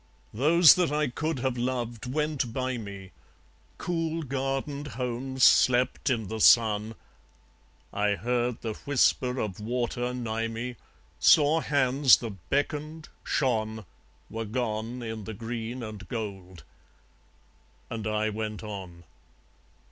Those that I could have loved went by me; Cool gardened homes slept in the sun; I heard the whisper of water nigh me, Saw hands that beckoned, shone, were gone In the green and gold. And I went on.